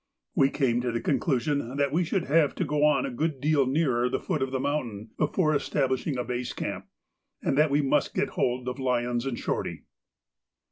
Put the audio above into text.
We came to the conclusion that we should have to go a good deal nearer the foot of the mountain before establishing a base camp, and that we must get hold of Lyons and Shorty.